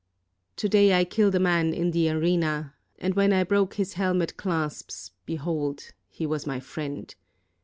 "To day I killed a man in the arena, and when I broke his helmet clasps, behold, he was my friend.